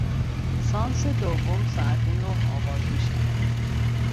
سانس دوم ساعت نه آغاز میشود.